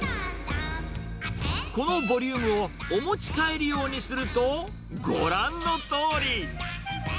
このボリュームをお持ち帰り用にすると、ご覧のとおり。